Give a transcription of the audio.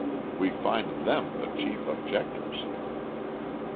We find them the chief objectors.